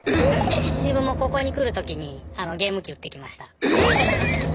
自分もここに来る時にゲーム機売ってきました。